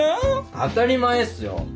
当たり前っすよ。